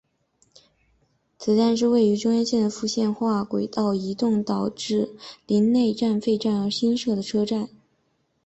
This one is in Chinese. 此站是位于中央线的复线化轨道移动导致陵内站废站而新设的车站。